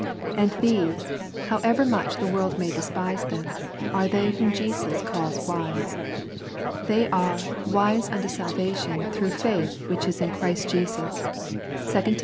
And these, however much the world may despise them, are they whom Jesus calls wise. They are '^ wise unto salvation, through faith which is in Christ Jesus." (2 Tim.